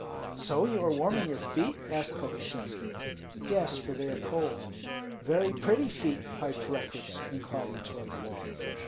"So you are warming your feet?" asked Kokosinski. "Yes, for they are cold." "Very pretty feet," piped Rekuts, inclining toward the log.